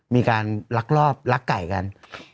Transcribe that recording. มีการลักลอบลักไก่กัน